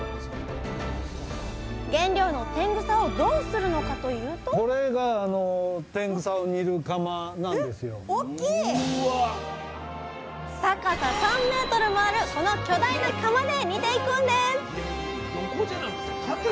原料の天草をどうするのかというとこれが高さ３ｍもあるこの巨大な釜で煮ていくんです